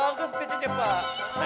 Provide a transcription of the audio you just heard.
oh bagus bici jepang